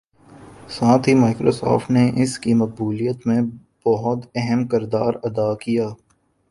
ساتھ ہی مائیکروسوفٹ نے اس کی مقبولیت میں بہت اہم کردار ادا کیا